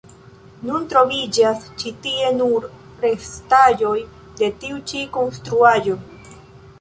Nun troviĝas ĉi tie nur restaĵoj de tiu ĉi konstruaĵo.